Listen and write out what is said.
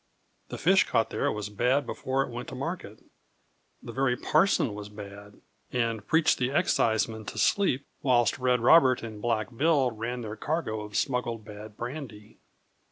The fish caught there was bad before it went to market. The very parson was bad, and preached the excisemen to sleep whilst Red Robert and Black Bill ran their cargo of smuggled bad brandy.